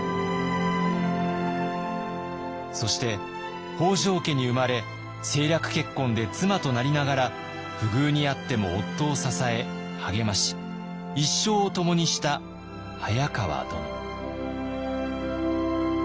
そして北条家に生まれ政略結婚で妻となりながら不遇にあっても夫を支え励まし一生を共にした早川殿。